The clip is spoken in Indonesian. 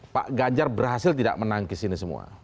pak ganjar berhasil tidak menangkis ini semua